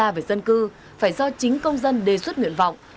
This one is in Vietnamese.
các thông tin về dân cư phải do chính công dân đề xuất nguyện vọng